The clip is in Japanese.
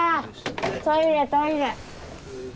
トイレトイレ。